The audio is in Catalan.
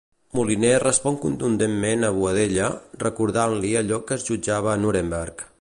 Moliner respon contundentment a Boadella, recordant-li allò que es jutjava a Nüremberg.